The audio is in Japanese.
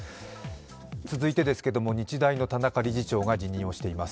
続いてですけれども、日大の田中理事長が辞任をしています。